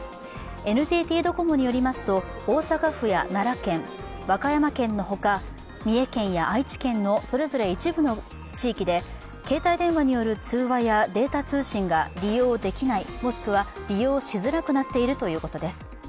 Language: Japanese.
ＮＴＴドコモによりますと大阪府や奈良県、和歌山県のほか三重県や愛知県のそれぞれ一部の地域で携帯電話による通話やデータ通信が利用できない、もしくは利用しづらくなっているということです。